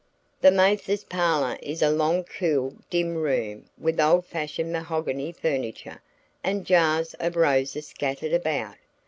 The Mathers's parlor is a long cool dim room with old fashioned mahogany furniture and jars of roses scattered about.